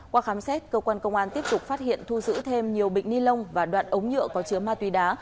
qua khám xét cơ quan công an tiếp tục phát hiện thu giữ thêm nhiều bịch ni lông và đoạn ống nhựa có chứa ma túy đá